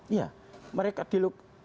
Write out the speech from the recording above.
iya mereka di